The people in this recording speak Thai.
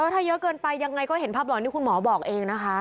ถ้าเยอะเกินไปยังไงก็เห็นภาพหล่อนที่คุณหมอบอกเองนะคะ